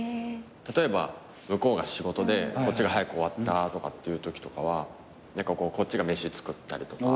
例えば向こうが仕事でこっちが早く終わったとかっていうときとかはこっちが飯作ったりとか。